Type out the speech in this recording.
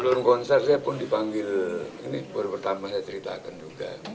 sebelum konser saya pun dipanggil ini baru pertama saya ceritakan juga